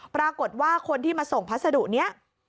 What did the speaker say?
ปรากฏว่าคนที่มาส่งพัสดุนี้